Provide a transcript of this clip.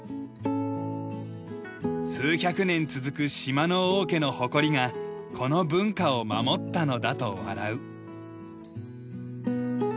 数百年続く島の王家の誇りがこの文化を守ったのだと笑う。